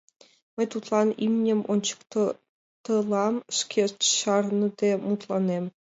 Мый тудлан имньым ончыктылам, шке чарныде мутланем.